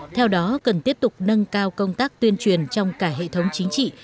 theo đó cần tiếp tục nâng cao công tác tuyên truyền trong cả hệ thống chính trị